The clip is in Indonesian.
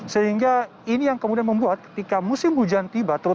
sehingga ini yang kemudian membuat ketika musim hujan tiba